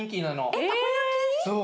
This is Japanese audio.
そう。